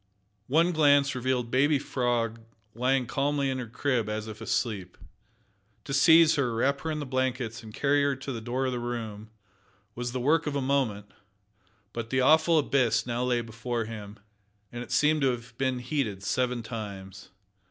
One glance revealed baby Frog lying calmly in her crib as if asleep. To seize her, wrap her in the blankets, and carry her to the door of the room, was the work of a moment, but the awful abyss now lay before him, and it seemed to have been heated seven times.